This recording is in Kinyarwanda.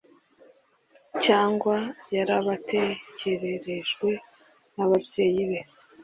cyangwa yarabatekererejwe n’ababyeyi be